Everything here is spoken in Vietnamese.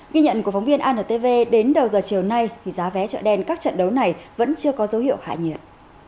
ghi nhận của phóng viên antv đến đầu giờ chiều nay thì giá vé chợ đen các trận đấu này vẫn chưa có dấu hiệu hạ nhiệt